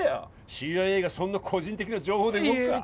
ＣＩＡがそんな個人的な情報で動くかいいえ